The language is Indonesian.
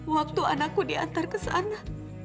waktu anakku diantar ke sana